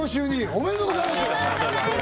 ありがとうございます